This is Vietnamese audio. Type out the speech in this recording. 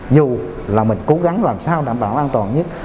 dù là mình cố gắng làm sao đảm bảo an toàn nhất